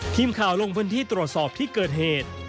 ทีมข่าวลงพื้นที่ตรวจสอบที่เกิดเหตุ